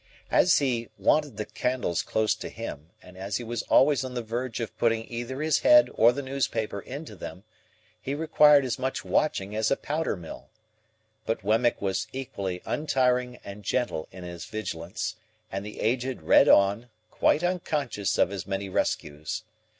As he wanted the candles close to him, and as he was always on the verge of putting either his head or the newspaper into them, he required as much watching as a powder mill. But Wemmick was equally untiring and gentle in his vigilance, and the Aged read on, quite unconscious of his many rescues.